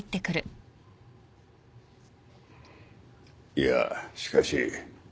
・いやしかし。